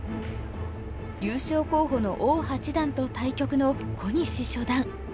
優勝候補の王八段と対局の小西初段。